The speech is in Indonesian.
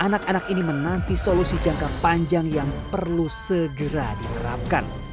dan ada resolusi jangka panjang yang perlu segera diterapkan